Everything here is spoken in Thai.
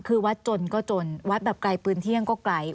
คือวัดจนก็จนวัดแบบไกลปืนเที่ยงก็ไกล